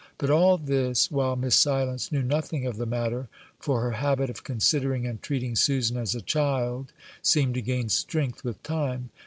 But all this while Miss Silence knew nothing of the matter, for her habit of considering and treating Susan as a child seemed to gain strength with time.